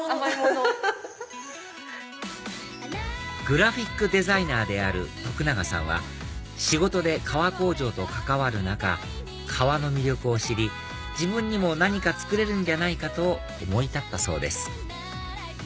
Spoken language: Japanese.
グラフィックデザイナーである徳永さんは仕事で革工場と関わる中革の魅力を知り自分にも何か作れるんじゃないかと思い立ったそうです